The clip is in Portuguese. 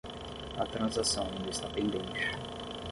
A transação ainda está pendente.